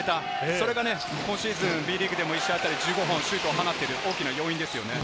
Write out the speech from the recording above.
それが今シーズン、Ｂリーグでも１試合あたり１５本シュートを放っている大きな要因ですよね。